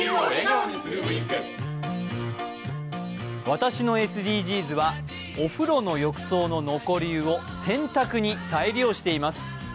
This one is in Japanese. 私のＳＤＧｓは、お風呂の浴槽の残り湯を洗濯に再利用しています。